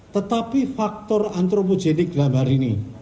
tetapi faktor antropogenik dalam hal ini